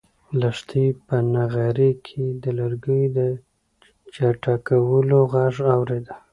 لښتې په نغري کې د لرګیو د چټکولو غږ اورېده.